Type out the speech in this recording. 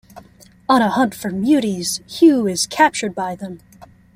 On a hunt for muties, Hugh is captured by them.